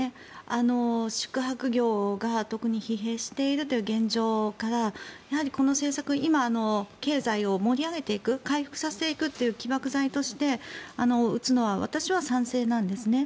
宿泊業が特に疲弊しているという現状からやはりこの政策今、経済を盛り上げていく回復させていくという起爆剤として打つのは私は賛成なんですね。